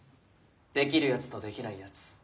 できるやつとできないやつ。